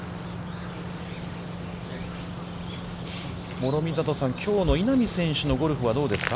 諸見里さん、きょうの稲見選手のゴルフはどうですか。